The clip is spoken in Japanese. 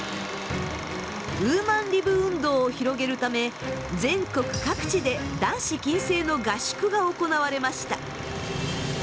ウーマンリブ運動を広げるため全国各地でが行われました。